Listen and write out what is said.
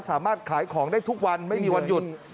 สามารถขายของได้ทุกวันไม่มีวันหยุด